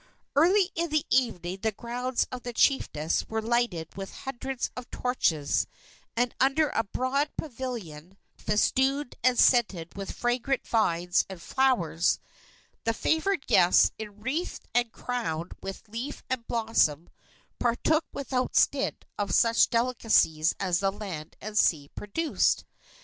Early in the evening the grounds of the chiefess were lighted with hundreds of torches, and under a broad pavilion, festooned and scented with fragrant vines and flowers, the favored guests, enwreathed and crowned with leaf and blossom, partook without stint of such delicacies as the land and sea produced.